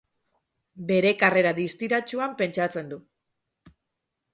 Bere karrera distiratsuan pentsatzen du.